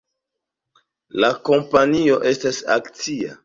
La kompanio estas akcia.